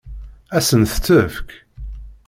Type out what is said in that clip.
Ad sen-t-tefk?